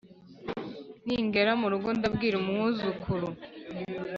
ningera mu rugo ndabwira umwuzukuru